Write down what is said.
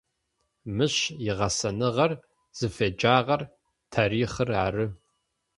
Мыщ игъэсэныгъэр, зыфеджагъэр тарихъыр ары.